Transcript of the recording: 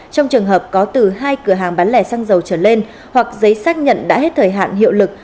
trong trường hợp có từ hai cửa hàng bán lẻ xăng dầu trở lên hoặc giấy xác nhận đã hết thời hạn hiệu lực